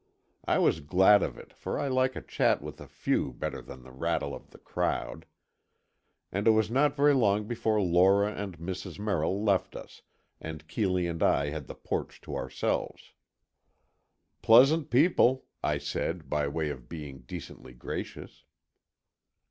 I was glad of it, for I like a chat with a few better than the rattle of the crowd. And it was not very long before Lora and Mrs. Merrill left us, and Keeley and I had the porch to ourselves. "Pleasant people," I said, by way of being decently gracious.